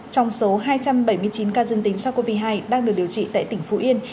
trong số hai trăm bảy mươi chín ca dương tính sars cov hai đang được điều trị tại tỉnh phú yên